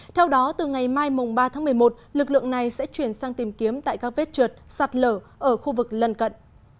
theo đó từ ngày mai ba tháng một mươi một lực lượng này sẽ chuyển sang tìm kiếm tại các vết trượt sạt lở ở khu vực lân cận